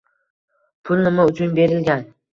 Pul nima uchun berilgan?